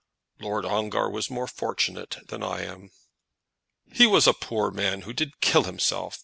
"Lord Ongar was more fortunate than I am." "He was a poor man who did kill himself.